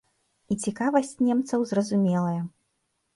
І цікавасць немцаў зразумелая.